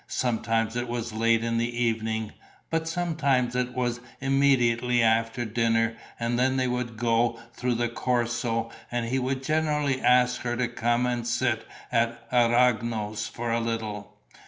Sometimes it was late in the evening, but sometimes it was immediately after dinner and then they would go through the Corso and he would generally ask her to come and sit at Aragno's for a little.